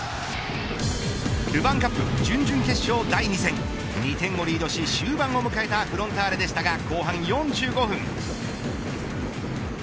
ルヴァンカップ準々決勝第２戦２点をリードし終盤を迎えたフロンターレでしたが後半４５分。